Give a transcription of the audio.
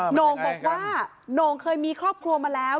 โหน่งบอกว่าโหน่งเคยมีครอบครัวมาแล้ว